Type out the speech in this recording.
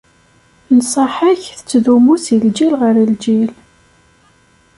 Nnṣaḥa-k tettdumu si lǧil ɣer lǧil.